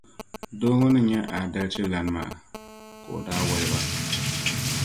Doo ŋɔ ni nyɛ aadalichi lana maa, ka o daa wɔli ba.